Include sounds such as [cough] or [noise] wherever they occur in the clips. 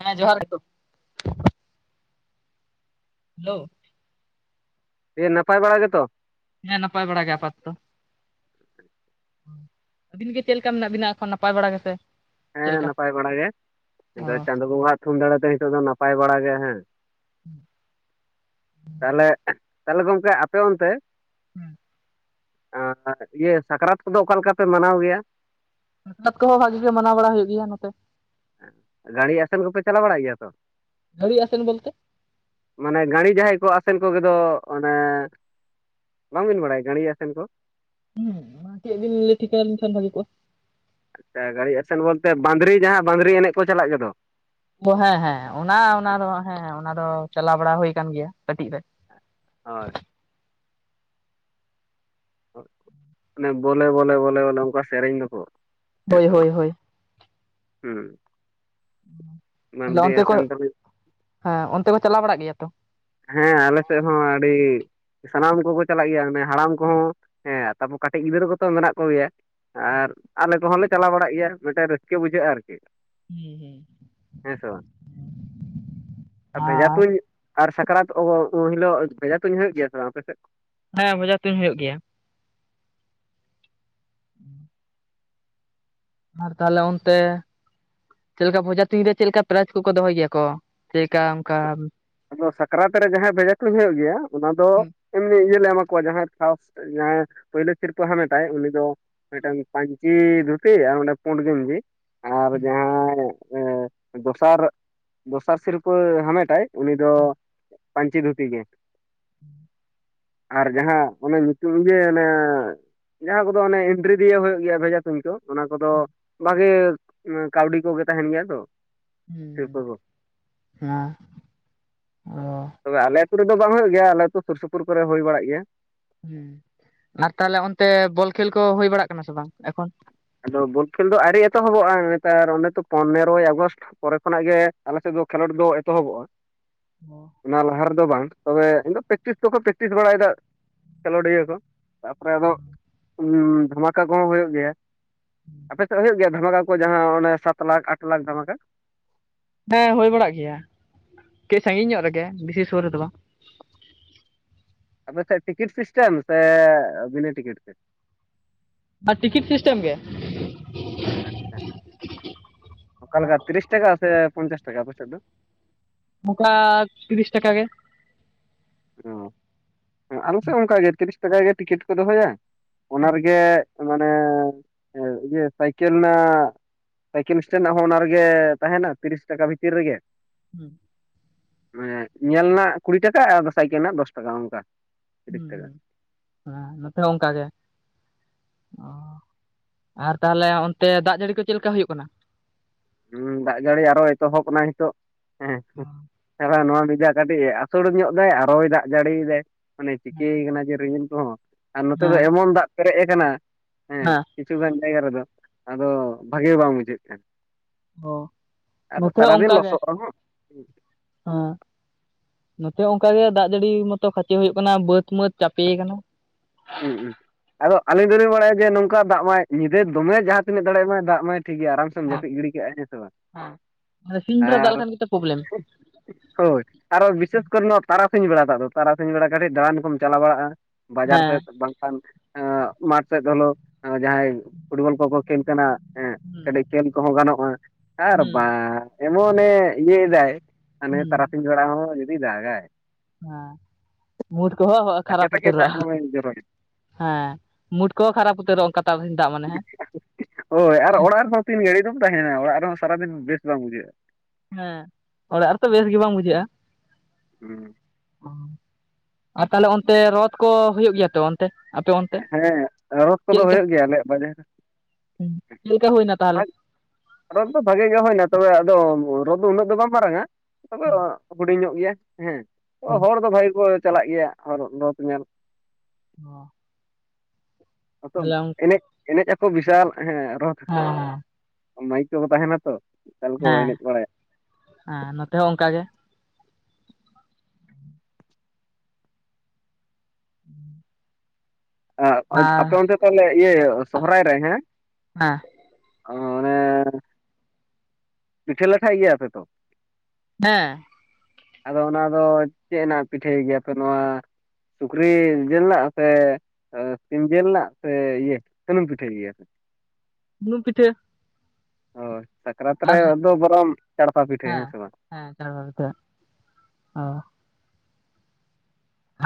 ᱦᱮᱸ ᱡᱚᱦᱟᱨ ᱜᱮ ᱦᱮᱞᱳ ᱮ ᱱᱟᱯᱟᱭ ᱵᱟᱲᱟ ᱜᱮᱛᱚ ᱾ ᱦ ᱱᱟᱯᱟᱭ ᱵᱟᱲᱟᱜᱮ ᱟᱯᱟᱛᱚ ᱟᱹᱵᱤᱱ ᱜᱮ ᱪᱮᱫ ᱞᱮᱠᱟ ᱢᱮᱱᱟᱜ ᱵᱤᱱᱟ ᱮᱠᱷᱚᱱ ᱱᱟᱯᱟᱭ ᱵᱟᱲᱟ ᱜᱮᱥᱮ ᱪᱮᱫ ᱦᱮᱸ ᱞᱮᱠᱟ? ᱱᱟᱯᱟᱭ ᱵᱟᱲᱟ ᱜᱮ ᱱᱤᱛᱚ ᱪᱟᱸᱫᱳ ᱵᱚᱸᱜᱟ ᱟᱜ ᱛᱷᱩᱢ ᱫᱟᱲᱮᱛᱮ ᱱᱤᱛᱚᱜ ᱫᱚ ᱱᱟᱯᱟᱭ ᱵᱟᱲᱟ ᱜᱮ ᱦᱮᱸ᱾ ᱦᱩᱸ᱾ ᱛᱟᱦᱚᱞᱮ, ᱛᱟᱦᱚᱞᱮ ᱜᱚᱝᱠᱮ ᱟᱯᱮ ᱚᱱᱛᱮ ᱦᱩᱸ᱾ ᱟᱸ ᱟᱨ ᱤᱭᱟᱹ ᱥᱟᱠᱨᱟᱛ ᱠᱚᱫᱚ ᱚᱠᱟ ᱞᱮᱠᱟ ᱯᱮ ᱢᱟᱱᱟᱣ ᱜᱮᱭᱟ? [unintelligible] ᱠᱚᱦᱚ ᱵᱷᱟᱜᱤ ᱜᱮ ᱢᱟᱱᱟᱣ ᱵᱟᱲᱟ ᱦᱩᱭᱩᱜ ᱜᱮᱭᱟ ᱱᱚᱛᱮ᱾ ᱮᱸ ᱜᱟᱹᱲᱤ ᱟᱥᱮᱱ ᱠᱚᱯᱮ ᱪᱟᱞᱟᱣ ᱵᱟᱲᱟᱜ ᱜᱮᱭᱟ ᱛᱚ᱾ ᱜᱟᱹᱲᱤ ᱟᱥᱮᱱ ᱵᱚᱞᱛᱮ? ᱢᱟᱱᱮ ᱜᱟᱹᱲᱤ ᱡᱟᱦᱟᱸᱭ ᱠᱚ ᱟᱥᱮᱱ ᱠᱚᱜᱮ ᱫᱚ ᱚᱱᱮ ᱵᱟᱝ ᱵᱤᱱ ᱵᱟᱲᱟᱭ ᱜᱟᱹᱲᱤ ᱟᱥᱮᱱ ᱠᱚ? ᱚᱸ ᱪᱮᱜ ᱵᱤᱱ ᱞᱟᱹᱭ ᱴᱷᱤᱠᱟ ᱟᱹᱞᱤᱧ ᱠᱷᱟᱱ ᱵᱷᱟᱹᱜᱮ ᱠᱚᱜᱼᱟ᱾ ᱮ ᱜᱟᱲᱤ ᱮᱥᱮᱱ ᱵᱚᱞᱛᱮ ᱵᱟᱸᱫᱽᱨᱤ ᱡᱟᱦᱟᱸ ᱵᱟᱸᱫᱽᱨᱤ ᱮᱱᱮᱡ ᱠᱚ ᱪᱟᱞᱟᱜ ᱜᱮ ᱫᱚ᱾ ᱳ ᱦᱮᱸ ᱦᱮᱸ ᱚᱱᱟ ᱚᱱᱟ ᱫᱚ ᱦᱮᱸ ᱚᱱᱟ ᱫᱚ ᱪᱟᱞᱟᱣ ᱵᱟᱲᱟ ᱦᱩᱭ ᱠᱟᱱ ᱜᱮᱭᱟ ᱠᱟᱹᱴᱤᱡ ᱨᱮ᱾ ᱦᱳᱭ᱾ ᱳᱸᱜ ᱚᱱᱮ ᱵᱚᱞᱮ ᱵᱚᱞᱮ ᱵᱚᱞᱮ ᱵᱚᱞᱮ ᱚᱱᱠᱟ ᱥᱮᱨᱮᱧ ᱫᱚᱠᱚ᱾ ᱦᱮ ᱦᱳᱭ ᱥᱮ ᱦᱳᱭ ᱵᱟᱝ? ᱦᱳᱭ ᱦᱩᱸ᱾ ᱛᱟᱦᱞᱮ ᱵᱟᱸᱫᱽᱨᱤ ᱚᱱᱛᱮ ᱠᱚᱡ, ᱟᱥᱮᱱ ᱛᱟᱞᱮ ᱦᱮᱸ ᱚᱱᱛᱮ ᱠᱚ ᱪᱟᱞᱟᱣ ᱵᱟᱲᱟᱜ ᱜᱮᱭᱟ ᱛᱚ? ᱦᱮᱸ ᱟᱞᱮ ᱥᱮᱜ ᱦᱚᱸ ᱟᱹᱰᱤ ᱥᱟᱱᱟᱢ ᱠᱚᱠᱚ ᱪᱟᱞᱟᱜ ᱜᱮᱭᱟ ᱚᱱᱮ ᱦᱟᱲᱟᱢ ᱠᱚᱦᱚᱸ ᱦᱮᱸ ᱛᱟᱯᱚ ᱠᱟᱹᱴᱤᱡ ᱜᱤᱫᱽᱨᱟᱹ ᱠᱚᱛᱚ ᱢᱮᱱᱟᱜ ᱠᱚ ᱜᱮᱭᱟ᱾ ᱟᱨ ᱟᱞᱮ ᱠᱚᱦᱚᱸ ᱞᱮ ᱪᱟᱞᱟᱣ ᱵᱟᱲᱟᱜ ᱜᱮᱭᱟ ᱢᱤᱴᱮᱱ ᱨᱟᱹᱥᱠᱟᱹ ᱵᱩᱡᱷᱟᱹᱜ ᱟᱨᱠᱤ᱾ ᱦᱮᱸ ᱥᱮ ᱵᱟᱝ? ᱟᱨ ᱵᱷᱮᱡᱟ ᱛᱩᱧ ᱟᱨ ᱥᱟᱠᱨᱟᱛ [unintelligible] ᱩᱱ ᱦᱤᱞᱳᱜ ᱵᱷᱮᱡᱟ ᱛᱩᱧ ᱦᱩᱭᱩᱜ ᱜᱮᱭᱟ ᱵᱟᱝ ᱟᱯᱮ ᱥᱮᱫ? ᱦᱮᱸ, ᱵᱷᱚᱡᱟ ᱛᱩᱧ ᱦᱳᱭᱳᱜ ᱜᱮᱭᱟ᱾ ᱩᱸ᱾ ᱟᱨ ᱛᱟᱦᱚᱞᱮ ᱚᱱᱛᱮ ᱪᱮᱠᱟ ᱵᱷᱚᱡᱟ ᱛᱩᱧ ᱨᱮ ᱪᱮᱜ ᱞᱮᱠᱟ ᱯᱨᱟᱭᱤᱡᱽ ᱠᱚᱠᱚ ᱫᱚᱦᱚᱭ ᱜᱮᱭᱟ ᱠᱚ? ᱪᱮᱠᱟ ᱚᱱᱠᱟᱢ ᱟᱫᱚ ᱥᱟᱠᱨᱟᱛ ᱨᱮ ᱡᱟᱦᱟᱸᱭ ᱵᱷᱮᱡᱟ ᱛᱩᱧ ᱦᱩᱭᱩᱜ ᱜᱮᱭᱟ, ᱚᱱᱟ ᱫᱚ ᱦᱩᱸ ᱮᱢᱱᱤ ᱤᱭᱟᱹ ᱞᱮ ᱮᱢᱟ ᱠᱚᱣᱟ ᱡᱟᱦᱟᱸᱭ ᱯᱷᱟᱥ ᱡᱟᱦᱟᱸᱭ ᱯᱳᱭᱞᱳ ᱥᱤᱨᱯᱟᱹ ᱦᱟᱢᱮᱴᱟᱭ ᱩᱱᱤ ᱫᱚ ᱢᱤᱜᱴᱟᱝ ᱯᱟᱧᱪᱤ ᱫᱷᱩᱛᱤ ᱟᱨ ᱢᱤᱜᱴᱟᱝ ᱯᱩᱸᱰ ᱜᱮᱧᱡᱤ᱾ ᱟᱨ ᱦᱩᱸ ᱡᱟᱦᱟᱸᱭ ᱮ ᱫᱚᱥᱟᱨ ᱫᱚᱥᱟᱨ ᱥᱤᱨᱯᱟᱹ ᱦᱟᱢᱮᱴᱟᱭ ᱩᱱᱤ ᱫᱚ ᱦᱩᱸ ᱯᱟᱧᱪᱤ ᱫᱷᱩᱛᱤ ᱜᱮ᱾ ᱩᱸ᱾ ᱟᱨ ᱡᱟᱦᱟᱸ ᱚᱱᱮ ᱧᱩᱛᱩᱢ ᱤᱭᱟᱹ ᱚᱱᱮ ᱡᱟᱦᱟᱸ ᱠᱚᱫᱚ ᱚᱱᱮ ᱤᱱᱴᱨᱤ ᱫᱤᱭᱮ ᱮᱢ ᱦᱩᱭᱩᱜ ᱜᱮᱭᱟ ᱵᱷᱮᱡᱟ ᱛᱩᱧ ᱠᱚ᱾ ᱚᱱᱟ ᱠᱚᱫᱚ ᱵᱷᱟᱜᱮ ᱠᱟᱹᱣᱰᱤ ᱠᱚᱜᱮ ᱛᱟᱦᱮᱱ ᱜᱮᱭᱟ ᱛᱚ᱾ ᱥᱤᱨᱯᱟᱹ ᱠᱚ ᱦᱩᱸ ᱦᱩᱸ, ᱚᱱᱟ ᱚ᱾ ᱛᱚᱵᱮ ᱟᱞᱮ ᱟᱹᱛᱩ ᱨᱮᱫᱚ ᱵᱟᱝ ᱦᱩᱭᱩᱜ ᱜᱮᱭᱟ, ᱟᱞᱮ ᱟᱹᱛᱩ ᱥᱩᱨᱼᱥᱩᱯᱩᱨ ᱠᱚᱨᱮ ᱦᱳᱭ ᱵᱟᱲᱟᱜ ᱜᱮᱭᱟ᱾ ᱦᱩᱸ, ᱟᱨ ᱛᱟᱦᱚᱞᱮ ᱚᱱᱛᱮ ᱵᱚᱞ ᱠᱷᱮᱞ ᱠᱚ ᱦᱩᱭ ᱵᱟᱲᱟᱜ ᱠᱟᱱᱟ ᱥᱮ ᱵᱟᱝ ᱮᱠᱷᱚᱱ? ᱟᱫᱚ ᱵᱚᱞ ᱠᱷᱮᱞ ᱫᱚ ᱟᱹᱣᱨᱤ ᱮᱛᱚᱦᱚᱵᱚᱜᱼᱟ ᱱᱮᱛᱟᱨ ᱚᱱᱮ ᱛᱚ ᱯᱚᱱᱮᱨᱚᱭ ᱟᱜᱚᱥᱴ ᱯᱚᱨᱮ ᱠᱷᱚᱱᱟᱜ ᱜᱮ ᱟᱞᱮ ᱥᱮᱫ ᱫᱚ ᱠᱷᱮᱞᱳᱰ ᱫᱚ ᱮᱛᱚᱦᱚᱵᱚᱜᱼᱟ᱾ ᱚ᱾ ᱚᱱᱟ ᱞᱟᱦᱟ ᱨᱮᱫᱚ ᱵᱟᱝ, ᱛᱚᱵᱮ ᱮᱱ ᱫᱚ ᱯᱮᱠᱴᱤᱥ ᱠᱚᱠᱚ ᱯᱮᱠᱴᱤᱥ ᱵᱟᱲᱟᱭ ᱫᱟ᱾ ᱠᱷᱮᱞᱳᱰᱤᱭᱟᱹ ᱠᱚ, ᱛᱟᱯᱚᱨᱮ ᱟᱫᱚ ᱩᱸ ᱫᱷᱟᱢᱠᱟ ᱠᱚᱦᱚᱸ ᱦᱳᱭᱳᱜ ᱜᱮᱭᱟ᱾ ᱟᱯᱮ ᱥᱮᱜ ᱦᱳᱭᱳᱜ ᱜᱮᱭᱟ ᱫᱷᱟᱢᱟᱠᱟ ᱠᱚ ᱡᱟᱦᱟᱸ ᱚᱱᱮ ᱥᱟᱛ ᱞᱟᱠᱷ ᱟᱴ ᱞᱟᱠᱷ ᱫᱷᱟᱢᱟᱠᱟ? ᱦᱮᱸ ᱦᱳᱭ ᱵᱟᱲᱟᱜ ᱜᱮᱭᱟ, ᱠᱟᱹᱡ ᱥᱟᱺᱜᱤᱧ ᱧᱚᱜ ᱨᱮᱜᱮ ᱵᱮᱥᱤ ᱥᱳᱨ ᱨᱮᱫᱚ ᱵᱟᱝ᱾ ᱟᱯᱮ ᱥᱮᱫ ᱴᱤᱠᱤᱴ ᱥᱤᱥᱴᱮᱢ ᱥᱮ ᱵᱤᱱᱟᱹ ᱴᱤᱠᱤᱴ ᱛᱮ? ᱵᱟ ᱴᱤᱠᱤᱴ ᱥᱤᱥᱴᱮᱢ ᱜᱮ᱾ ᱟᱪᱪᱷᱟ ᱚᱠᱟ ᱞᱮᱠᱟ ᱛᱤᱨᱤᱥ ᱴᱟᱠᱟ ᱥᱮ ᱯᱚᱧᱪᱟᱥ ᱴᱟᱠᱟ ᱟᱯᱮᱥᱮᱫ ᱫᱚ? ᱱᱚᱠᱟ ᱛᱤᱨᱤᱥ ᱴᱟᱠᱟ ᱜᱮ? ᱚ ᱟᱞᱮ ᱥᱮᱫ ᱚᱱᱠᱟ ᱜᱮ ᱛᱤᱨᱤᱥ ᱴᱟᱠᱟ ᱜᱮ ᱴᱤᱠᱤᱴ ᱠᱚ ᱫᱚᱦᱚᱭᱟ ᱚᱱᱟ ᱨᱮᱜᱮ ᱢᱟᱱᱮ ᱤᱭᱟᱹ ᱥᱟᱭᱠᱮᱞ ᱱᱟᱜ? ᱥᱟᱭᱠᱮᱞ ᱥᱴᱮᱱ ᱨᱮᱱᱟᱜ ᱦᱚᱸ ᱚᱱᱟ ᱨᱮᱜᱮ ᱛᱟᱸᱦᱮᱱᱟ ᱛᱤᱨᱤᱥ ᱴᱟᱠᱟ ᱵᱷᱤᱛᱤᱨ ᱨᱮᱜᱮ᱾ ᱦᱩᱸ᱾ ᱧᱮᱞ ᱨᱮᱱᱟᱜ ᱠᱩᱲᱤ ᱴᱟᱠᱟ ᱟᱨ ᱥᱟᱭᱠᱮᱞ ᱨᱮᱱᱟᱜ ᱫᱚᱥ ᱴᱟᱠᱟ ᱚᱱᱠᱟ᱾ ᱦᱩ ᱛᱤᱨᱤᱥ ᱦᱩ, ᱴᱟᱠᱟ ᱦᱮ ᱱᱚᱛᱮ ᱦᱚᱸ ᱚᱱᱠᱟ ᱜᱮ᱾ ᱚ ᱟᱨ ᱛᱟᱦᱞᱮ ᱚᱱᱛᱮ ᱫᱟᱜ ᱡᱟᱹᱲᱤ ᱠᱚ ᱪᱮᱫ ᱞᱮᱠᱟ ᱦᱩᱭᱩᱜ ᱠᱟᱱᱟ? ᱦᱩᱸ ᱫᱟᱜ ᱡᱟᱹᱲᱤ ᱟᱨᱚ ᱮᱛᱚᱦᱚᱵ ᱮᱱᱟᱭ ᱱᱤᱛᱚᱜ ᱦᱮᱸ ᱟᱨᱚ ᱱᱚᱣᱟ ᱢᱮᱡᱟᱡ ᱠᱟᱹᱴᱤᱡ ᱟᱹᱥᱩᱲ ᱧᱚᱜ ᱫᱟᱭ ᱟᱨᱚᱭ ᱫᱟᱜ ᱡᱟᱹᱲᱤᱭ ᱫᱟᱭ ᱢᱟᱱᱮ ᱪᱤᱠᱟᱹᱭ ᱟᱠᱟᱱᱟ ᱡᱮ ᱨᱤᱜᱮᱞ ᱠᱚᱦᱚᱸ᱾ ᱟᱨ ᱱᱚᱛᱮ ᱫᱚ ᱮᱢᱚᱱ ᱫᱟᱜ ᱯᱮᱨᱮᱡ ᱟᱠᱟᱱᱟ, ᱦᱮᱸ ᱦᱮ᱾ ᱠᱤᱪᱷᱩ ᱜᱟᱱ ᱡᱟᱭᱜᱟ ᱨᱮᱫᱚ ᱟᱫᱚ ᱵᱷᱟᱜᱮ ᱵᱟᱝ ᱵᱩᱡᱷᱟᱹᱜ ᱠᱟᱱᱟ᱾ ᱦᱚ᱾ ᱟᱨᱚ ᱥᱟᱨᱟᱫᱤᱱ ᱞᱚᱥᱚᱫ ᱨᱮᱦᱚᱸ᱾ ᱦᱮᱸ ᱱᱚᱛᱮ ᱦᱚᱸ ᱚᱱᱠᱟ ᱜᱮ ᱫᱟᱜ ᱡᱟᱹᱲᱤ ᱢᱚᱛᱚ ᱠᱷᱟᱺᱪᱷᱮ ᱦᱩᱭᱩᱜ ᱠᱟᱱᱟ ᱵᱟᱹᱫᱽ ᱢᱟᱹᱫᱽ ᱪᱟᱯᱮᱭᱟᱠᱟᱱᱟ᱾ ᱦᱩᱸ ᱦᱩᱸ᱾ ᱟᱫᱚ ᱟᱞᱮ ᱫᱚᱞᱮ ᱵᱟᱲᱟᱭᱟ ᱡᱮ ᱱᱚᱝᱠᱟ ᱫᱟᱜ ᱢᱟᱭ ᱧᱤᱫᱟᱹ ᱫᱚᱢᱮ ᱡᱟᱦᱟᱸ ᱛᱤᱱᱟᱹᱜ ᱫᱟᱲᱮᱭᱟᱜ ᱢᱟᱭ ᱫᱟᱜ ᱢᱟᱭ ᱴᱷᱤᱠ ᱜᱮᱭᱟ ᱟᱨᱟᱢ ᱛᱚᱢ ᱦᱮᱸ ᱡᱟᱹᱯᱤᱫ ᱜᱤᱲᱤ ᱠᱟᱜᱼᱟᱢ ᱦᱮᱸ ᱥᱮ ᱵᱟᱝ ᱦᱮᱸ ᱥᱤᱧ ᱵᱮᱲᱟ ᱫᱟᱜ ᱟᱨ ᱞᱮᱠᱷᱟᱱ ᱜᱮᱛᱚ ᱯᱨᱚᱵᱞᱮᱢ ᱦᱳᱭ ᱟᱨᱚ ᱵᱤᱥᱮᱥ ᱠᱚᱨᱮ ᱱᱚᱣᱟ ᱛᱟᱲᱟᱥᱤᱧ ᱵᱮᱲᱟ ᱫᱚ ᱟᱫᱚ ᱛᱟᱨᱟᱥᱤᱧ ᱵᱮᱲᱟ ᱠᱟᱹᱴᱤᱡ ᱫᱟᱬᱟᱱ ᱠᱚᱢ ᱪᱟᱞᱟᱣ ᱵᱟᱲᱟᱜᱼᱟ, ᱵᱟᱡᱟᱨ ᱦᱮᱸ ᱥᱮᱫ᱾ ᱵᱟᱝᱠᱷᱟᱱ ᱮᱜ ᱢᱟᱴᱷ ᱥᱮᱫ ᱦᱳᱞᱳ‌ ᱡᱟᱦᱟᱸᱭ ᱯᱷᱩᱴᱵᱚᱞ ᱠᱚᱠᱚ ᱠᱷᱮᱞ ᱠᱟᱱᱟ᱾ ᱦᱮᱸ ᱦᱩᱸ ᱠᱟᱹᱴᱤᱡ ᱠᱷᱮᱞ ᱠᱚᱦᱚᱸ ᱜᱟᱱᱚᱜᱼᱟ ᱟᱨ ᱦᱩᱸ ᱵᱟ ᱮᱢᱚᱱᱮ ᱤᱭᱟᱹᱭ ᱫᱟᱭ᱾ ᱦᱟᱱᱮ ᱦᱩᱸ ᱛᱟᱨᱥᱤᱧ ᱵᱮᱲᱟ ᱦᱚᱸ ᱡᱩᱫᱤᱭ ᱫᱟᱜᱟᱭ᱾ ᱦᱮᱸ ᱢᱩᱸᱴ ᱠᱚᱦᱚᱸ ᱛᱟᱠᱮ ᱠᱷᱟᱨᱟᱯ ᱛᱟᱠᱮ ᱩᱛᱟᱹᱨᱚᱜᱼᱟ᱾ ᱫᱟᱜ ᱫᱚᱢᱮ ᱡᱚᱨᱚᱭᱮᱱᱟ ᱦᱮᱸ ᱢᱩᱰ ᱠᱚᱦᱚᱸ ᱠᱷᱟᱨᱟᱯ ᱩᱛᱟᱹᱨᱚᱜ-ᱟ ᱚᱱᱠᱟ ᱛᱟᱨᱟᱥᱤᱧ ᱫᱟᱜ ᱢᱟᱱᱮ ᱦᱮᱸ᱾ ᱦᱳᱭ ᱟᱨ ᱚᱲᱟᱜ ᱨᱮᱦᱚᱸ ᱛᱤᱱ ᱜᱷᱟᱹᱲᱤᱡ ᱫᱚᱢ ᱛᱟᱸᱦᱮᱱᱟ ᱚᱲᱟᱜ ᱨᱮᱦᱚᱸ ᱥᱟᱨᱟᱫᱤᱱ ᱵᱮᱥ ᱵᱟᱝ ᱵᱩᱡᱷᱟᱹᱜᱼᱟ᱾ ᱦᱮᱸ ᱚᱲᱟᱜ ᱨᱮᱛᱚ ᱵᱮᱥ ᱜᱮ ᱵᱟᱝ ᱵᱩᱡᱷᱟᱹᱜᱼᱟ᱾ ᱦᱮᱸ᱾ ᱚ ᱟᱨ ᱛᱟᱦᱚᱞᱮ ᱚᱱᱛᱮ ᱨᱚᱛ ᱠᱚ ᱦᱩᱭᱩᱜ ᱜᱮᱭᱟ ᱛᱚ ᱚᱱ ᱛᱮ ᱟᱯᱮ ᱚᱱ ᱦᱮᱸ ᱨᱚᱛ ᱠᱚᱫᱚ ᱦᱩᱭᱩᱜ ᱜᱮᱭᱟ ᱟᱞᱮᱭᱟᱜ ᱵᱟᱡᱟᱨ ᱨᱮ᱾ ᱪᱮᱜᱠᱟ ᱦᱩᱭᱱᱟ ᱛᱟᱦᱞᱮ? ᱨᱚᱛ ᱫᱚ ᱵᱷᱟᱜᱮ ᱜᱮ ᱦᱩᱭᱱᱟ ᱛᱚᱵᱮ ᱟᱫᱚ ᱨᱚᱛ ᱫᱚ ᱩᱱᱟᱹᱜ ᱫᱚ ᱵᱟᱝ ᱢᱟᱨᱟᱝᱟ ᱛᱚᱵᱮ ᱦᱩᱰᱤᱧ ᱧᱚᱜ ᱜᱮᱭᱟ᱾ ᱦᱮᱸ ᱦᱮᱸ ᱦᱚᱲ ᱫᱚ ᱵᱷᱟᱜᱤ ᱜᱮᱠᱚ ᱪᱟᱞᱟᱜ ᱜᱮᱭᱟ ᱨᱚᱛ ᱧᱮᱞ᱾ ᱦᱩ᱾ ᱮᱱᱮᱡ ᱮᱱᱮᱡ ᱟᱠᱚ ᱵᱤᱥᱟᱞ ᱦᱮᱸ ᱨᱚᱛ ᱢᱟᱹᱭᱤᱠ ᱠᱚᱸᱦᱚ ᱛᱟᱸᱦᱮᱱᱟ ᱛᱚ ᱵᱤᱥᱟᱞ ᱠᱚ ᱦᱮᱸ ᱮᱱᱮᱡ ᱵᱟᱲᱟᱭᱟ᱾ ᱦᱮᱸ ᱱᱚᱛᱮ ᱦᱚᱸ ᱚᱱᱠᱟ ᱜᱮ᱾ ᱦᱩᱸ᱾ ᱟᱯᱮ ᱚᱱᱛᱮ ᱛᱟᱦᱚᱞᱮ ᱤᱭᱟᱹ ᱥᱚᱦᱚᱨᱟᱭ ᱨᱮ ᱦᱮᱸ ᱦᱮᱸ ᱚᱱᱮ ᱯᱤᱴᱷᱟᱹ ᱞᱟᱴᱷᱟᱭ ᱜᱮᱭᱟᱹ ᱯᱮ ᱛᱚ? ᱦᱮᱸ᱾ ᱟᱫᱚ ᱚᱱᱟ ᱫᱚ ᱪᱮᱜ ᱱᱟᱜ ᱯᱤᱴᱷᱟᱹᱭ ᱜᱮᱭᱟᱯᱮ ᱱᱚᱣᱟ᱾ ᱥᱩᱠᱨᱤ ᱡᱤᱞ ᱞᱟᱜ ᱥᱮ [inaudible] ᱥᱤᱢ ᱡᱮᱞ ᱞᱟᱜ ᱥᱮ ᱤᱭᱟᱹ ᱥᱩᱱᱩᱢ ᱯᱤᱴᱷᱟᱹᱭ ᱜᱮᱭᱟ ᱯᱮ? ᱥᱩᱱᱩᱢ ᱯᱤᱴᱷᱟᱹ᱾ ᱚ ᱥᱟᱠᱨᱟᱛ ᱨᱮ ᱟᱨ ᱚᱫᱚ ᱵᱚᱨᱚᱢ ᱪᱟᱲᱯᱟ ᱯᱤᱴᱷᱟᱹ ᱦᱮᱸ ᱥᱮ ᱵᱟᱝ? ᱦᱮᱸ ᱪᱟᱲᱯᱟ ᱯᱤᱴᱷᱟᱸ᱾ᱚ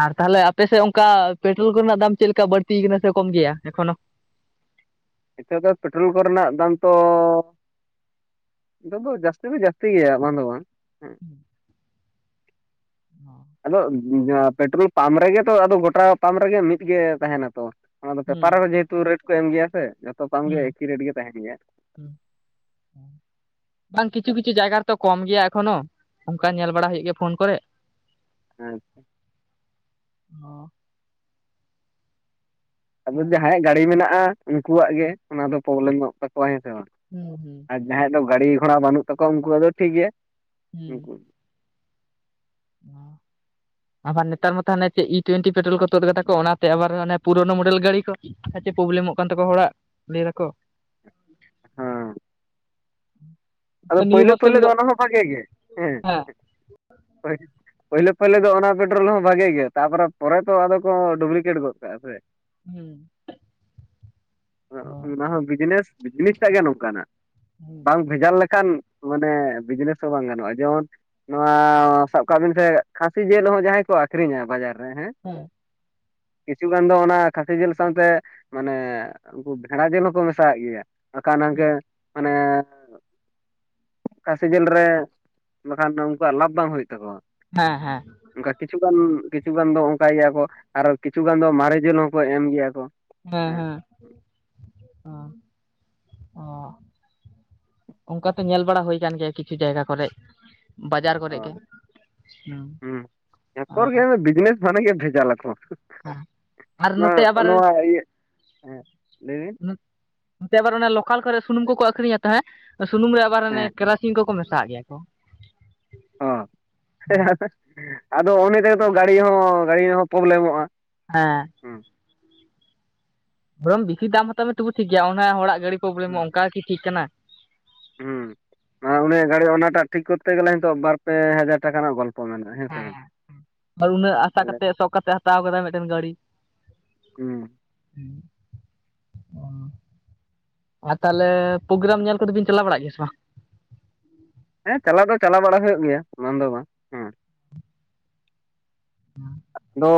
ᱟᱨ ᱛᱟᱞᱦᱮ ᱟᱯᱮ ᱥᱮᱜ ᱚᱝᱠᱟ ᱯᱮᱴᱨᱳᱞ ᱠᱚ ᱨᱮᱱᱟᱜ ᱫᱟᱢ ᱪᱮᱞᱠᱟ ᱵᱟᱹᱲᱛᱤ ᱠᱟᱱᱟ ᱥᱮ ᱠᱚᱢ ᱜᱮᱭᱟ ᱮᱠᱷᱚᱱᱳ? ᱱᱤᱛᱚᱜ ᱫᱚ ᱯᱮᱴᱨᱳᱞ ᱠᱚᱨᱮᱱᱟᱜ ᱫᱟᱢ ᱛᱚ᱾ ᱱᱤᱛᱚᱜ ᱫᱚ ᱡᱟᱹᱥᱛᱤ ᱫᱚ ᱡᱟᱹᱥᱛᱤ ᱜᱮᱭᱟ ᱵᱟᱝ ᱫᱚ ᱵᱟᱝ᱾ ᱦᱮᱸ [inaudible] ᱚᱸ ᱟᱫᱚ ᱯᱮᱴᱨᱳᱞ ᱯᱟᱢᱯ ᱨᱮᱜᱮ ᱛᱚ ᱟᱫᱚ ᱜᱚᱴᱟ ᱯᱟᱢᱯ ᱨᱮᱜᱮ ᱢᱤᱫ ᱜᱮ ᱛᱟᱦᱮᱱᱟ ᱛᱚ? ᱚᱱᱟᱫᱚ ᱯᱮᱯᱟᱨ ᱦᱩᱸ ᱨᱮ ᱡᱮᱦᱮᱛᱩ ᱨᱮᱴ ᱠᱚ ᱮᱢ ᱜᱮᱭᱟ ᱥᱮ ᱡᱷᱚᱛᱚ ᱯᱟᱢᱯ ᱜᱮ ᱦᱩᱸ ᱮᱠᱤ ᱨᱮᱴ ᱜᱮ ᱛᱟᱦᱮᱱ ᱜᱮᱭᱟ ᱾ ᱦᱩᱸ ᱵᱟᱝ ᱠᱤᱪᱷᱩ ᱠᱤᱪᱷᱩ ᱡᱟᱭᱜᱟ ᱨᱮᱛᱚ ᱠᱚᱢ ᱜᱮᱭᱟ ᱮᱠᱷᱚᱱᱳ ᱾ ᱚᱝᱠᱟ ᱧᱮᱞ ᱵᱟᱲᱟ ᱦᱳᱭᱳᱜ ᱜᱮᱭᱟ ᱯᱷᱳᱱ ᱠᱚᱨᱮ ᱾ ᱟᱪᱪᱷᱟ, ᱦᱚᱸ ᱟᱫᱚ ᱛᱟᱦᱚᱞᱮ ᱡᱟᱦᱟᱸᱭᱟᱜ ᱜᱟᱹᱰᱤ ᱢᱮᱱᱟᱜᱼᱟ ᱩᱱᱠᱩᱣᱟᱜ ᱜᱮ ᱚᱱᱟ ᱫᱚ ᱯᱨᱚᱵᱞᱮᱢᱚᱜ ᱛᱟᱠᱚᱣᱟ ᱦᱮᱸ ᱥᱮ ᱵᱟᱝ? ᱦᱩᱸ ᱦᱩᱸ ᱟᱨ ᱡᱟᱦᱟᱸᱭᱟᱜ ᱫᱚ ᱜᱟᱹᱲᱤ ᱜᱷᱚᱲᱟ ᱵᱟᱹᱱᱩᱜ ᱛᱟᱠᱚᱣᱟ ᱩᱱᱠᱩᱣᱟᱜ ᱫᱚ ᱴᱷᱤᱠ ᱜᱮᱭᱟ ᱩᱱᱠᱩ ᱦᱚᱸ ᱟᱵᱟᱨ ᱱᱮᱛᱟᱨ ᱢᱟᱛᱚ ᱦᱟᱱᱮ ᱪᱮᱜ ᱤ ᱴᱩᱭᱮᱱᱴᱤ ᱯᱮᱴᱨᱳᱞ ᱠᱚ ᱛᱩᱫ ᱠᱟᱫᱟ ᱠᱚ ᱚᱱᱟᱛᱮ ᱟᱵᱟᱨ ᱯᱩᱨᱳᱱᱳ ᱢᱳᱰᱮᱞ ᱜᱟᱹᱰᱤ ᱠᱚ ᱠᱷᱟᱪᱮ ᱯᱨᱚᱵᱞᱮᱢᱚᱜ ᱠᱟᱱ ᱛᱟᱠᱚᱣᱟ ᱦᱚᱲᱟᱜ ᱞᱟᱹᱭ ᱫᱟᱠᱚ ᱾ ᱦᱮᱸ [inaudible] ᱟᱫᱚ ᱱᱤᱭᱟᱹ ᱯᱳᱭᱞᱳ ᱵᱚᱨᱥᱚᱱ ᱯᱳᱭᱞᱳ ᱫᱚ ᱚᱱᱟ ᱦᱚᱸ ᱵᱷᱟᱜᱮ ᱜᱮ ᱦᱮᱸ ᱾ ᱯᱳᱭᱞᱳ ᱯᱳᱭᱞᱳ ᱫᱚ ᱚᱱᱟ ᱯᱮᱴᱨᱳᱞ ᱦᱚᱸ ᱵᱷᱟᱜᱮ ᱜᱮ ᱛᱟᱨᱯᱚᱨᱮ ᱯᱚᱨᱮ ᱛᱚ ᱟᱫᱚ ᱠᱚ ᱰᱩᱜᱞᱤᱠᱮᱴ ᱜᱚᱫ ᱠᱟᱜᱼᱟ ᱥᱮ ᱦᱮᱸ ᱾ ᱦᱮᱸ ᱚᱱᱟ ᱦᱚᱸ ᱵᱤᱡᱱᱮᱥ ᱾ ᱵᱤᱡᱱᱮᱥ ᱴᱟᱜ ᱜᱮ ᱱᱚᱝᱠᱟᱱᱟᱜ ᱦᱮᱸ ᱵᱟᱝ ᱵᱷᱮᱡᱟᱞ ᱞᱮᱠ ᱠᱟᱱ ᱢᱟᱱᱮ ᱵᱤᱡᱽᱱᱮᱥ ᱦᱚᱸ ᱵᱟᱝ ᱜᱟᱱᱚᱜᱼᱟ ᱡᱮᱢᱚᱱ ᱾ ᱱᱚᱣᱟ ᱥᱟᱵ ᱠᱟᱜ ᱵᱤᱱ ᱥᱮ ᱠᱷᱟᱹᱥᱤ ᱡᱤᱞ ᱦᱚᱸ ᱡᱟᱦᱟᱸᱭ ᱠᱚ ᱟᱹᱠᱷᱨᱤᱧᱟ ᱵᱟᱡᱟᱨ ᱨᱮ ᱦᱮᱸ ᱾ ᱦᱮᱸ ᱠᱤᱪᱷᱩ ᱜᱟᱱ ᱫᱚ ᱚᱱᱟ ᱠᱷᱟᱹᱥᱤ ᱡᱤᱞ ᱥᱟᱶᱛᱮ ᱢᱟᱱᱮ ᱩᱱᱠᱩ ᱵᱷᱮᱲᱟ ᱡᱤᱞ ᱦᱚᱸᱠᱚ ᱢᱮᱥᱟᱣᱟᱜ ᱜᱮᱭᱟ ᱾ ᱟᱠᱷᱟᱱ ᱟᱝᱜᱮ ᱢᱟᱱᱮ ᱠᱷᱟᱹᱞᱤ ᱡᱤᱞ ᱨᱮ ᱵᱟᱠᱷᱟᱱ ᱫᱚ ᱩᱱᱠᱩᱣᱟᱜ ᱞᱟᱵᱷ ᱵᱟᱝ ᱦᱩᱭᱩᱜ ᱛᱟᱠᱚᱣᱟ ᱾ ᱦᱮᱸ ᱦᱮᱸ ᱾ ᱚᱝᱠᱟ ᱠᱤᱪᱷᱩ ᱜᱟᱱ ᱠᱤᱪᱷᱩ ᱜᱟᱱ ᱫᱚ ᱚᱝᱠᱟᱭ ᱜᱮᱭᱟ ᱠᱚ ᱟᱨ ᱠᱤᱪᱷᱩ ᱜᱟᱱ ᱫᱚ ᱢᱟᱨᱮ ᱡᱤᱞ ᱦᱚᱸᱠᱚ ᱮᱢ ᱜᱮᱭᱟ ᱠᱚ ᱾ ᱦᱮᱸ ᱦᱮᱸ ᱚ ᱚ ᱾ ᱚᱝᱠᱟ ᱛᱮ ᱧᱮᱞ ᱵᱟᱲᱟ ᱦᱳᱭ ᱠᱟᱱ ᱜᱮᱭᱟ ᱠᱤᱪᱷᱩ ᱡᱟᱭᱜᱟ ᱠᱚᱨᱮᱡ ᱾ ᱵᱟᱡᱟᱨ ᱠᱚᱨᱮ ᱜᱮ ᱦᱳᱭ ᱦᱩᱸ ᱦᱩᱸ ᱡᱷᱚᱛᱚ ᱚᱸ ᱾ ᱨᱮᱜᱮ ᱵᱤᱡᱽᱱᱮᱥ ᱢᱟᱱᱮ ᱜᱮ ᱵᱷᱮᱡᱟᱞ ᱟᱠᱚ ᱟᱨ ᱾ ᱱᱚ ᱱᱚᱛᱮ ᱟᱵᱟᱨ ᱱᱚᱣᱟ ᱤᱭᱟᱹ ᱦᱮᱸ ᱞᱟᱹᱭᱵᱤᱱ? ᱱᱚᱱᱛᱮ ᱟᱵᱟᱨ ᱚᱱᱟ ᱞᱚᱠᱟᱞ ᱠᱚᱨᱮ ᱥᱩᱱᱩᱢ ᱠᱚᱠᱚ ᱟᱹᱠᱷᱨᱤᱧᱟ ᱛᱟ ᱦᱮᱸ ᱥᱩᱱᱩᱢ ᱨᱮ ᱟᱵᱟᱨ ᱚᱱᱟ ᱦᱮᱸ ᱠᱮᱨᱟ ᱥᱤᱱ ᱠᱚᱠᱚ ᱢᱮᱥᱟᱣᱟᱜ ᱜᱮᱭᱟ ᱠᱚ ᱾ ᱦᱚᱸ [unintelligible] ᱟᱫᱚ ᱚᱱᱮ ᱛᱮᱜᱮ ᱛᱚ ᱜᱟᱹᱲᱤ ᱦᱚᱸ ᱜᱟᱹᱲᱤ ᱦᱚᱸ ᱯᱨᱚᱵᱞᱮᱢᱚᱜᱼᱟ ᱾ ᱦᱮᱸ ᱵᱤᱥᱤ ᱫᱟᱢ ᱦᱟᱛᱟᱣ ᱢᱮ ᱛᱚᱵᱮ ᱴᱷᱤᱠ ᱜᱮᱭᱟ ᱚᱱᱟ ᱦᱚᱲᱟᱜ ᱜᱟᱹᱰᱤ ᱯᱨᱚᱵᱽᱞᱮᱢᱚᱜ ᱚᱱᱠᱟᱜᱤ ᱴᱷᱤᱠ ᱠᱟᱱᱟ ᱾ ᱦᱩᱸ ᱩᱱᱤᱭᱟᱜ ᱜᱟᱹᱰᱤ ᱚᱱᱟᱴᱟᱜ ᱴᱷᱤᱠ ᱠᱚᱨᱛᱮ ᱜᱮᱞᱟ ᱱᱤᱛᱚᱜ ᱵᱟᱨ ᱯᱮ ᱦᱟᱡᱟᱨ ᱴᱟᱠᱟ ᱨᱮᱱᱟᱜ ᱜᱚᱞᱯᱚ᱾ ᱢᱮᱱᱟᱜᱼᱟ ᱦᱮᱸ ᱥᱮ ᱵᱟᱝ ᱦᱮᱸ ᱟᱨ ᱩᱱᱟᱹᱜ ᱟᱥᱟ ᱛᱟᱦᱚᱞᱮ ᱠᱟᱛᱮᱜ ᱥᱚᱜ ᱠᱟᱛᱮᱜ ᱦᱟᱛᱟᱣ ᱠᱟᱫᱟᱭ ᱢᱤᱫᱴᱮᱱ ᱜᱟᱹᱲᱤ᱾ ᱦᱩᱸ [inaudible] ᱟᱨ ᱛᱟᱦᱞᱮ ᱯᱨᱳᱜᱨᱟᱢ ᱧᱮᱞ ᱠᱚᱫᱚ ᱵᱤᱱ ᱪᱟᱞᱟᱣ ᱵᱟᱲᱟᱜ ᱜᱮᱭᱟ ᱥᱮ ᱵᱟᱝ? ᱦᱮᱸ ᱪᱟᱞᱟᱣ ᱫᱚ ᱪᱟᱞᱟᱣ ᱵᱟᱲᱟ ᱦᱩᱭᱩᱜ ᱜᱮᱭᱟ ᱵᱟᱝ ᱫᱚ ᱵᱟᱝ᱾ ᱦᱮᱸ [inaudible] ᱟᱫᱚ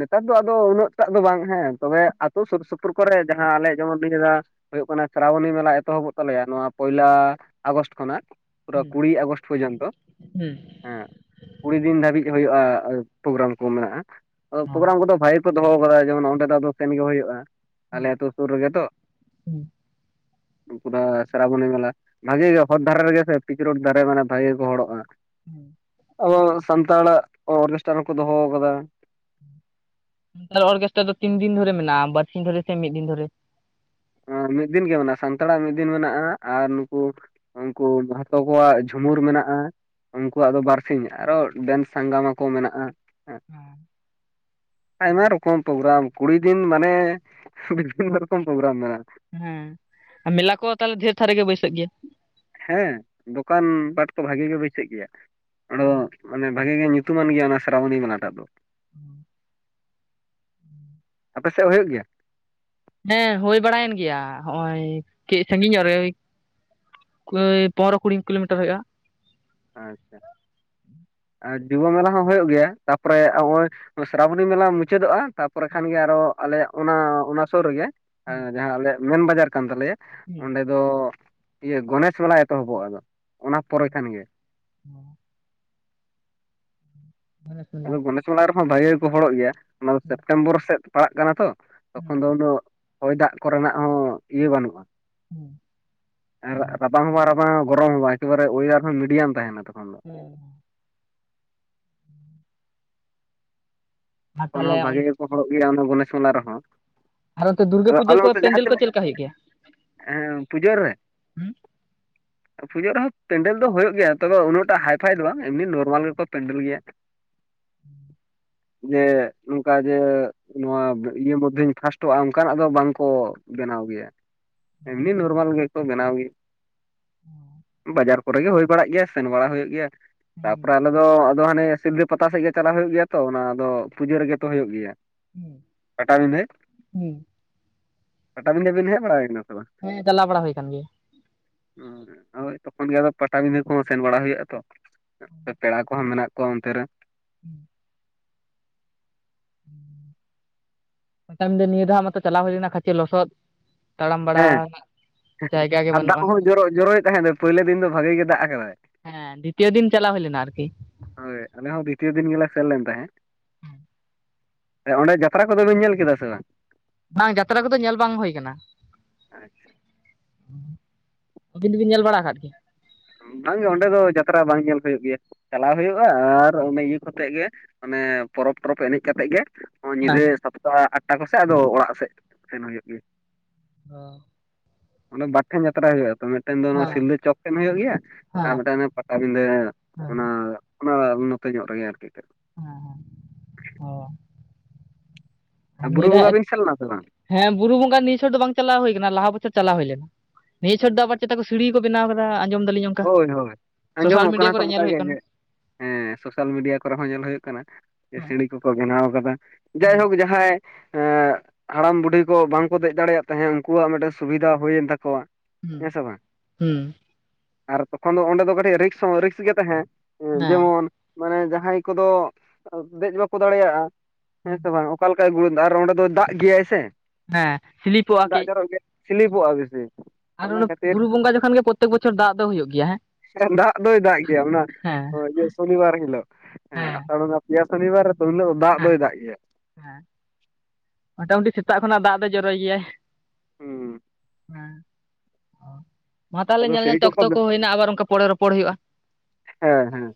ᱱᱮᱛᱟᱨ ᱫᱚ ᱟᱫᱚ ᱩᱱᱟᱹᱜ ᱴᱟᱜ ᱫᱚ ᱵᱟᱝ ᱦᱮᱸ ᱛᱚᱵᱮ ᱟᱹᱛᱩ ᱥᱩᱨ ᱥᱩᱯᱩᱨ ᱠᱚᱨᱮ ᱡᱟᱦᱟᱸ ᱟᱞᱮ ᱡᱮᱢᱚᱱ ᱱᱤᱭᱟᱹ ᱫᱷᱟᱣ ᱦᱩᱭᱩᱜ ᱠᱟᱱᱟ ᱥᱨᱟᱵᱚᱱᱤ ᱢᱮᱞᱟ ᱮᱛᱚᱦᱚᱵᱚᱜ ᱛᱟᱞᱮᱭᱟ ᱱᱚᱣᱟ ᱯᱚᱭᱞᱟ ᱟᱜᱚᱥᱴ ᱠᱷᱚᱱᱟᱜ᱾ ᱯᱩᱨᱟᱹ ᱠᱩᱲᱤ ᱟᱜᱚᱥᱴ ᱯᱚᱨᱡᱚᱱ ᱛᱚ᱾ ᱦᱮᱸ ᱠᱩᱲᱤ ᱫᱤᱱ ᱫᱷᱟᱹᱵᱤᱡ ᱦᱩᱭᱩᱜᱼᱟ ᱯᱨᱳᱜᱨᱟᱢ ᱠᱚ ᱢᱮᱱᱟᱜᱼᱟ ᱚ ᱯᱨᱳᱜᱨᱟᱢ ᱠᱚᱫᱚ ᱵᱷᱟᱭ ᱫᱚᱦᱚ ᱠᱟᱫᱟ ᱡᱮᱢᱚᱱ ᱚᱸᱰᱮ ᱫᱚ ᱟᱫᱚ ᱥᱮᱱ ᱜᱮ ᱦᱩᱭᱩᱜᱼᱟ᱾ ᱟᱞᱮ ᱟᱹᱛᱩ ᱥᱩᱨ ᱨᱮᱜᱮ ᱛᱚ᱾ ᱩᱱᱠᱩ ᱫᱟ ᱥᱨᱟᱵᱚᱱᱤ ᱢᱮᱞᱟ ᱵᱷᱟᱜᱮ ᱜᱮ ᱦᱚᱨ ᱫᱷᱟᱨᱮ ᱨᱮᱜᱮ ᱥᱮ ᱯᱤᱪᱨᱴ ᱫᱷᱟᱨᱮ ᱢᱟᱱᱮ ᱵᱷᱟᱜᱮ ᱜᱮ ᱠᱚ ᱦᱚᱲᱚᱜᱼᱟ᱾ ᱦᱮᱸ ᱟᱵᱚ ᱥᱟᱱᱛᱟᱲᱟᱜ ᱚᱨᱚᱱᱩᱥᱴᱟᱱ ᱦᱚᱠᱚ ᱫᱚᱦᱚ ᱟᱠᱟᱫᱟ᱾ ᱚᱨᱜᱮᱥᱴᱨᱟ ᱫᱚ ᱛᱤᱱ ᱫᱤᱱ ᱫᱷᱚᱨᱮ ᱢᱮᱱᱟᱜᱼᱟ ᱵᱟᱨᱥᱤᱧ ᱫᱷᱚᱨᱮ ᱥᱮ ᱢᱤᱫ ᱫᱤᱱ ᱫᱷᱚᱨᱮ? ᱢᱤᱫ ᱫᱤᱱ ᱜᱮ ᱢᱮᱱᱟᱜᱼᱟ, ᱥᱟᱱᱛᱟᱲᱟᱜ ᱢᱤᱫ ᱫᱤᱱ ᱢᱮᱱᱟᱜᱼᱟ ᱟᱨ ᱱᱩᱠᱩ ᱩᱱᱠᱩ ᱢᱟᱦᱛᱚ ᱠᱚᱣᱟᱜ ᱡᱷᱩᱢᱩᱨ ᱢᱮᱱᱟᱜᱼᱟ᱾ ᱩᱱᱠᱩᱣᱟᱜ ᱫᱚ ᱵᱟᱨᱥᱤᱧ ᱟᱨᱚ ᱰᱮᱱ ᱥᱟᱸᱜᱟᱢᱟ ᱠᱚ ᱢᱮᱱᱟᱜᱼᱟ᱾ ᱦᱮ, ᱦᱮᱸ ᱟᱭᱢᱟ ᱨᱚᱠᱚᱢ᱾ ᱯᱨᱳᱜᱨᱟᱢ ᱠᱩᱲᱤ ᱫᱤᱱ ᱢᱟᱱᱮ ᱠᱩᱲᱤ [unintelligible] ᱫᱤᱱᱚᱠᱚᱢ ᱯᱨᱳᱜᱨᱟᱢ ᱢᱮᱱᱟᱜᱼᱟ᱾ ᱦᱮᱸ ᱢᱮᱞᱟ ᱠᱚ ᱛᱟᱦᱚᱞᱮ ᱰᱷᱮᱨ ᱛᱷᱟᱨ ᱨᱮ ᱜᱮ ᱵᱟᱹᱭᱥᱟᱹᱜ ᱜᱮᱭᱟ? ᱦᱮᱸ ᱫᱚᱠᱟᱱ ᱯᱟᱴ ᱛᱚ ᱵᱷᱟᱜᱤ ᱜᱮ ᱵᱟᱹᱭᱥᱟᱹᱜ ᱜᱮᱭᱟ ᱚᱫᱚ ᱢᱟᱱᱮ ᱵᱷᱟᱜᱮ ᱜᱮ ᱧᱩᱛᱩᱢᱟᱱ ᱜᱮᱭᱟ ᱚᱱᱟ ᱥᱨᱟᱣᱚᱱᱤᱞᱟᱴᱟᱜ ᱫᱚ᱾ ᱦᱩᱸ ᱟᱯᱮ ᱥᱮᱫ ᱦᱩᱭᱩᱜ ᱜᱮᱭᱟ? ᱦᱮᱸ ᱦᱩᱭ ᱵᱟᱲᱟᱭᱮᱱ ᱜᱮᱭᱟ ᱦᱚᱜᱼᱚᱭ ᱠᱟᱹᱡ ᱥᱟᱺᱜᱤᱧ ᱧᱚᱜ ᱨᱮ᱾ ᱠᱳᱭ ᱯᱚᱱᱨᱚ ᱠᱩᱲᱤ ᱠᱤᱞᱳᱢᱤᱴᱟᱨ ᱦᱩᱭᱩᱜᱼᱟ᱾ ᱟᱪᱪᱷᱟ᱾ ᱟᱨ ᱡᱤᱵᱚ ᱢᱮᱞᱟ ᱦᱚᱸ ᱦᱩᱭᱩᱜ ᱜᱮᱭᱟ ᱛᱟᱯᱚᱨᱮ ᱱᱚᱜ ᱥᱨᱟᱵᱚᱱᱤ ᱢᱮᱞᱟ ᱢᱩᱪᱟᱹᱫᱚᱜᱼᱟ ᱛᱟᱯᱚᱨᱮ ᱠᱷᱟᱱ ᱜᱮ ᱟᱨᱚ ᱟᱞᱮᱭᱟᱜ ᱚᱱᱟ-ᱚᱱᱟ ᱥᱩᱨ ᱨᱮᱜᱮ ᱡᱟᱦᱟᱸ ᱟᱞᱮᱭᱟᱜ ᱢᱮᱱ ᱵᱟᱡᱟᱨ ᱠᱟᱱ ᱛᱟᱞᱮᱭᱟ᱾ ᱚᱸᱰᱮ ᱫᱚ ᱤᱭᱟᱹ ᱜᱚᱱᱮᱥ ᱢᱮᱞᱟ ᱮᱛᱚᱦᱚᱵᱚᱜ ᱟᱫᱚ ᱚᱱᱟ ᱯᱚᱨᱮ ᱠᱷᱟᱱ ᱜᱮ᱾ ᱦᱩᱸ᱾ ᱢᱟᱱᱚᱥ ᱢᱮᱞᱟ ᱟᱫᱚ ᱜᱚᱱᱮᱥ ᱢᱚᱞᱟ ᱨᱮᱦᱚᱸ ᱵᱷᱟᱹᱜᱮ ᱜᱮᱠᱚ ᱦᱚᱲᱚᱜ ᱜᱮᱭᱟ ᱚᱱᱟ ᱫᱚ ᱥᱮᱯᱴᱮᱢᱵᱚᱨ ᱥᱮᱫ ᱯᱟᱲᱟᱜ ᱠᱟᱱᱟ ᱛᱚ ᱛᱚᱠᱷᱚᱱ ᱫᱚ ᱩᱱᱟᱹᱜ ᱦᱚᱭ ᱫᱟᱜ ᱠᱚᱨᱮᱱᱟᱜ ᱦᱚᱸ ᱤᱭᱟᱹ ᱵᱟᱹᱱᱩᱜᱼᱟ᱾ ᱨᱟᱵᱟᱝ ᱦᱚᱸ ᱵᱟᱝ ᱨᱟᱵᱟᱝ ᱜᱚᱨᱚᱢ ᱦᱚᱸ ᱵᱟᱝ ᱮᱠᱮᱵᱟᱨᱮᱭ ᱢᱤᱰᱤᱭᱟᱢ ᱛᱟᱦᱮᱱᱟ ᱛᱚᱠᱷᱚᱱ᱾ ᱫᱚ [inaudible] ᱟᱨ ᱛᱚᱠᱷᱚᱱ ᱛᱟᱦᱚᱞᱮ ᱦᱚᱸ ᱵᱷᱟᱜᱤ ᱜᱮᱠᱚ ᱦᱚᱨᱚᱜ ᱜᱮᱭᱟ ᱚᱱᱟ ᱜᱚᱱᱮᱥ ᱢᱮᱞᱟ ᱨᱮᱦᱚᱸ᱾ ᱟᱨ ᱚᱱᱛᱮ ᱫᱩᱨᱜᱟᱹ ᱟᱫᱚ ᱯᱩᱡᱟᱹ ᱠᱚ ᱯᱮᱱᱰᱮᱞ ᱠᱚ ᱪᱮᱫ ᱞᱮᱠᱟ ᱦᱩᱭᱩᱜ ᱜᱮᱭᱟ? ᱦᱮᱸ ᱯᱩᱡᱟᱹᱟᱨ ᱨᱮ? [inaudible] ᱯᱩᱡᱟᱹᱜ ᱨᱮᱦᱚᱸ ᱯᱮᱱᱰᱮᱞ ᱫᱚ ᱦᱩᱭᱩᱜ ᱜᱮᱭᱟ ᱛᱚᱵᱮ ᱩᱱᱟᱹᱜᱴᱟᱜ ᱦᱟᱭᱯᱷᱟᱭ ᱫᱚ ᱵᱟᱝ ᱮᱢᱱᱤ ᱱᱚᱨᱢᱟᱞ ᱜᱮᱠᱚ ᱯᱮᱱᱰᱮᱞ ᱜᱮᱭᱟ᱾ ᱦᱮᱸ [inaudible] ᱡᱮ ᱱᱚᱝᱠᱟ ᱡᱮ ᱱᱚᱣᱟ ᱤᱭᱟᱹ ᱢᱚᱫᱽᱫᱷᱮᱧ ᱯᱷᱟᱥᱴᱚᱜᱼᱟ ᱚᱱᱠᱟᱱᱟᱜ ᱫᱚ ᱵᱟᱝᱠᱚ ᱵᱮᱱᱟᱣ ᱜᱮᱭᱟ᱾ ᱮᱢᱱᱤ ᱱᱚᱨᱢᱟᱞ ᱜᱮᱠᱚ ᱵᱮᱱᱟᱣ ᱜᱮᱭᱟ, ᱵᱟᱡᱟᱨ ᱠᱚᱨᱮ ᱜᱮ ᱦᱩᱭ ᱵᱟᱲᱟᱜ ᱜᱮᱭᱟ ᱥᱮᱱ ᱵᱟᱲᱟ ᱦᱩᱭᱩᱜ ᱜᱮᱭᱟ, ᱛᱟᱯᱚᱨᱮ ᱟᱞᱮ ᱫᱚ ᱟᱫᱚ ᱦᱟᱸᱱᱮ ᱥᱤᱞᱫᱟᱹ ᱯᱟᱛᱟ ᱥᱮᱫ ᱜᱮ ᱪᱟᱞᱟᱜᱣ ᱦᱩᱭᱩᱜ ᱜᱮᱭᱟ ᱛᱚ ᱚᱱᱟᱫᱚ ᱯᱩᱡᱟᱹ ᱨᱮᱜᱮ ᱛᱚ ᱦᱩᱭᱩᱜ ᱜᱮᱭᱟ᱾ ᱯᱟᱴᱟᱵᱤᱫᱷᱟᱹ, ᱯᱟᱴᱟᱵᱤᱷᱟᱹ ᱵᱮᱱ ᱦᱮᱡ ᱵᱟᱲᱟ ᱠᱟᱱᱟ ᱥᱮ ᱵᱟᱝ? ᱦᱮᱸ ᱪᱟᱞᱟᱣ ᱵᱟᱲᱟ ᱦᱩᱭ ᱠᱟᱱ ᱜᱮᱭᱟ᱾ ᱚ ᱦᱳᱭ ᱛᱚᱠᱷᱚᱱ ᱜᱮ ᱟᱫᱚ ᱯᱟᱴᱟᱵᱤᱫᱟᱹ ᱠᱚᱦᱚᱸ ᱥᱮᱱ ᱵᱟᱲᱟ ᱦᱩᱭᱩᱜᱼᱟ ᱛᱚ᱾ ᱯᱮᱲᱟ ᱠᱚᱦᱚᱸ ᱢᱮᱱᱟᱜ ᱠᱚᱣᱟ ᱚᱱᱛᱮ ᱨᱮ᱾ ᱦᱮᱸ [inaudible] ᱦᱮᱸ [inaudible] ᱯᱟᱴᱟ ᱵᱤᱱᱫᱟᱹ ᱱᱤᱭᱟᱹ ᱫᱷᱟᱣ ᱢᱟᱛᱚ ᱪᱟᱞᱟᱣ ᱦᱩᱭ ᱞᱮᱱᱟ ᱠᱷᱟᱪᱮ ᱞᱚᱥᱚᱫ, ᱛᱟᱲᱟᱢ ᱵᱟᱲᱟ ᱦᱮᱸ ᱡᱟᱭᱜᱟ ᱜᱮ ᱟᱨ ᱵᱟᱹᱱᱩᱜᱼᱟ ᱫᱟᱜ ᱦᱚᱸ ᱡᱚᱨᱚ ᱡᱚᱨᱚᱭ ᱛᱟᱦᱮᱸ ᱫᱚ ᱯᱳᱭᱞᱳ ᱫᱤᱱ ᱫᱚ ᱵᱷᱟᱜᱮ ᱜᱮ ᱫᱟᱜ ᱠᱟᱫᱟᱭ᱾ ᱦᱮᱸ ᱫᱤᱛᱤᱭᱚ ᱫᱤᱱ ᱪᱟᱞᱟᱣ ᱦᱩᱭ ᱞᱮᱱᱟ ᱟᱨᱠᱤ᱾ ᱦᱳᱭ ᱟᱞᱮ ᱦᱚ ᱫᱚᱤᱛᱤᱭ ᱫᱤᱱ ᱜᱮᱞᱟ ᱥᱮᱱ ᱞᱮᱱ ᱛᱟᱦᱮᱸ᱾ ᱦᱮᱸ᱾ ᱛᱟᱦᱞᱮ ᱚᱸᱰᱮ ᱡᱟᱛᱨᱟ ᱠᱚᱫᱚ ᱵᱤᱱ ᱧᱮᱞ ᱠᱮᱫᱟ ᱥᱮ ᱵᱟᱝ? ᱵᱟᱝ ᱡᱟᱛᱨᱟ ᱠᱚᱫᱚ ᱧᱮᱞ ᱵᱟᱝ ᱦᱩᱭ ᱠᱟᱱᱟ᱾ ᱟᱪᱷᱟ᱾ ᱩᱸ ᱟᱠᱤᱱ ᱫᱚ ᱵᱮᱱ ᱧᱮᱞ ᱵᱟᱲᱟ ᱠᱟᱫ ᱠᱤᱱᱟ? ᱵᱟᱝᱜᱮ ᱚᱸᱰᱮ ᱫᱚ ᱡᱟᱛᱨᱟ ᱵᱟᱝ ᱧᱮᱞ ᱦᱩᱭᱩᱜ ᱜᱮᱭᱟ ᱪᱟᱞᱟᱣ ᱦᱩᱭᱩᱜᱼᱟ ᱟᱨ ᱚᱱᱮ ᱤᱭᱟᱹ ᱠᱟᱛᱮ ᱜᱮ, ᱢᱟᱱᱮ ᱯᱚᱨᱚᱵᱽ ᱴᱚᱨᱚᱵ ᱮᱱᱮᱡ ᱠᱟᱛᱮᱜ ᱜᱮ, ᱚ ᱦᱮᱸ ᱧᱤᱫᱟᱹ ᱥᱟᱛᱴᱟ ᱟᱴᱟ ᱠᱚᱥᱮᱫ ᱟᱫᱚ ᱚᱲᱟᱜ ᱥᱮᱫ ᱥᱮᱱ ᱦᱩᱭᱩᱜ ᱜᱮᱭᱟ᱾ ᱚ᱾ ᱚᱸᱰᱮ ᱵᱟᱨ ᱴᱷᱮᱱ ᱡᱟᱛᱨᱟ ᱦᱩᱭᱩᱜᱼᱟ ᱛᱚ ᱢᱤᱫᱴᱷᱮᱱ ᱫᱚ ᱚᱱᱟ ᱥᱤᱞᱫᱟᱹ ᱪᱚᱠ ᱴᱷᱮᱱ ᱦᱩᱭᱩᱜ ᱜᱮᱭᱟ ᱟᱨ ᱦᱮᱸ ᱢᱤᱫᱴᱮᱱ ᱫᱚ ᱯᱟᱛᱟᱵᱤᱸᱫᱟᱹ ᱦᱮᱸ ᱚᱱᱟ ᱚᱱᱟ ᱱᱚᱛᱮ ᱧᱚᱜ ᱨᱮᱜᱮ ᱟᱨᱠᱤ᱾ ᱦᱮᱸ ᱦᱮᱸ ᱦᱚᱸ᱾ ᱵᱩᱨᱩ ᱵᱚᱸᱜᱟ ᱫᱷᱟᱣ ᱵᱤᱱ ᱥᱮᱱ ᱞᱮᱱᱟ ᱥᱮ ᱵᱟᱝ? ᱦᱮᱸ ᱵᱩᱨᱩ ᱵᱚᱸᱜᱟ ᱱᱤᱭᱟᱹ ᱪᱷᱚᱴ ᱫᱚ ᱵᱟᱝ ᱪᱟᱞᱟᱣ ᱦᱩᱭ ᱠᱟᱱᱟ ᱞᱟᱦᱟ ᱵᱚᱪᱷᱚᱨ ᱪᱟᱞᱟᱣ ᱦᱩᱭ ᱞᱮᱱᱟ, ᱱᱤᱭᱟᱹ ᱪᱷᱚᱴ ᱫᱚ ᱟᱪᱪᱷᱟ ᱟᱵᱟᱨ ᱪᱮᱛᱟ ᱠᱚ ᱥᱤᱲᱤ ᱠᱚ ᱵᱮᱱᱟᱣ ᱠᱟᱫᱟ ᱟᱸᱡᱟᱢ ᱫᱟᱞᱤᱧ? ᱚᱱᱠᱟ ᱦᱳᱭ ᱦᱳᱭ ᱥᱳᱥᱟᱞ ᱟᱸᱡᱚᱢᱚᱜ ᱢᱤᱰᱤᱭᱟ ᱠᱟᱱᱟ ᱛᱚ ᱠᱚᱨᱮ ᱚᱝᱠᱟ ᱧᱮᱞ ᱜᱮ ᱦᱩᱭᱩᱜ ᱠᱟᱱᱟ ᱦᱮᱸ ᱥᱳᱥᱟᱞ ᱢᱤᱰᱤᱭᱟ ᱠᱚᱨᱮ ᱦᱚᱸ ᱧᱮᱞ ᱦᱩᱭᱩᱜ ᱠᱟᱱᱟ᱾ ᱦᱮᱸ ᱥᱤᱲᱤ ᱠᱚᱠᱚ ᱵᱮᱱᱟᱣ ᱠᱟᱫᱟ ᱦᱮᱸ ᱡᱟᱭᱦᱳᱠ ᱡᱟᱦᱟᱸᱭ ᱦᱮᱸ ᱦᱟᱲᱟᱢ ᱵᱩᱰᱷᱤ ᱠᱚ ᱵᱟᱝᱠᱚ ᱫᱮᱡ ᱫᱟᱲᱮᱭᱟᱜ ᱛᱟᱦᱮᱸᱫ ᱩᱱᱠᱩᱣᱟᱜ ᱢᱤᱫᱴᱮᱱ ᱥᱩᱵᱤᱫᱷᱟ ᱦᱩᱭᱮᱱ ᱛᱟᱠᱚᱣᱟ᱾ ᱦᱩᱸ ᱦᱮᱸ ᱥᱮ ᱵᱟᱝ ᱦᱩᱸ᱾ ᱟᱨ ᱛᱚᱠᱷᱚᱱ ᱫᱚ ᱚᱸᱰᱮ ᱫᱚ ᱠᱟᱹᱴᱤᱡ ᱨᱤᱠᱥ ᱦᱚᱸ ᱨᱤᱠᱥ ᱜᱮ ᱛᱟᱦᱮᱸ ᱦᱮᱸ ᱡᱮᱢᱚᱱ ᱢᱟᱱᱮ ᱡᱟᱦᱟᱸᱭ ᱠᱚᱫᱚ ᱫᱮᱡ ᱵᱟᱠᱚ ᱫᱟᱲᱮᱭᱟᱜᱼᱟ, ᱦᱮᱸᱥᱮ ᱵᱟᱝ ᱚᱠᱟ ᱞᱮᱠᱟᱭ ᱜᱚᱲᱫᱟ ᱟᱨ ᱚᱸᱰᱮ ᱫᱚ ᱫᱟᱜ ᱜᱮᱭᱟᱭ ᱥᱮ? ᱦᱮᱸ ᱥᱤᱞᱤᱯᱚᱜᱼᱟ ᱫᱟᱜ ᱠᱟᱹᱡ ᱡᱚᱨᱚᱜ ᱜᱮ ᱥᱤᱞᱤᱯᱚᱜᱼᱟ ᱵᱮᱥᱤ᱾ ᱟᱨ ᱤᱱᱟᱹ ᱚᱱᱮ ᱠᱷᱟᱹᱛᱤᱨ ᱵᱩᱨᱩ ᱵᱚᱸᱜᱟ ᱡᱚᱠᱷᱚᱱ ᱜᱮ ᱯᱨᱚᱛᱮᱠ ᱵᱚᱪᱷᱚᱨ ᱫᱟᱜ ᱫᱚ ᱦᱩᱭᱩᱜ ᱜᱮᱭᱟ ᱦᱮᱸ? ᱫᱟᱜ ᱫᱚᱭ ᱫᱟᱜ ᱜᱮᱭᱟ ᱚᱱᱟ ᱦᱮᱸ ᱤᱭᱟᱹ ᱥᱚᱱᱤᱵᱟᱨ ᱦᱤᱞᱳᱜ ᱦᱮᱸ ᱟᱥᱟᱲ ᱯᱮᱭᱟ ᱥᱚᱱᱤᱵᱟᱨ ᱨᱮ ᱛᱚ ᱩᱱᱦᱤᱞᱚᱜ ᱫᱟᱜ ᱦᱮᱸ ᱫᱚᱭ ᱫᱟᱜ ᱜᱮᱭᱟ᱾ ᱦᱮᱸ ᱢᱚᱴᱟ-ᱢᱩᱴᱤ ᱥᱮᱛᱟᱜ ᱠᱷᱚᱱᱟᱜ ᱫᱟᱜ ᱫᱚᱭ ᱡᱚᱨᱚᱭ ᱜᱮᱭᱟᱭ᱾ ᱦᱩᱸ᱾ [inaudible] ᱦᱮᱸ ᱢᱟ ᱛᱟᱦᱚᱞᱮ ᱟᱫᱚ ᱧᱮᱞ ᱥᱤᱲᱤ ᱧᱮᱞᱛᱮ ᱠᱚᱠᱚ ᱚᱠᱛᱚ ᱠᱚ ᱦᱩᱭ ᱮᱱᱟ ᱟᱵᱟᱨ ᱚᱱᱠᱟ ᱯᱚᱲᱮ ᱨᱚᱯᱚᱲ ᱦᱩᱭᱩᱜᱼᱟ ᱾ ᱦᱮᱸ ᱦᱮᱸ᱾